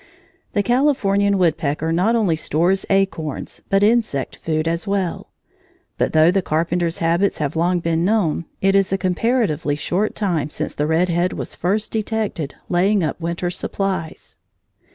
The Californian woodpecker not only stores acorns, but insect food as well. But though the Carpenter's habits have long been known, it is a comparatively short time since the red head was first detected laying up winter supplies.